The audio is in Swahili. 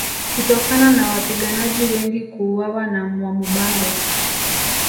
Kutokana na wapiganaji wengi kuuawa na Mwamubambe